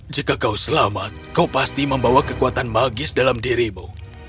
jika kau selamat kau pasti membawa kekuatan magis dalam dirimu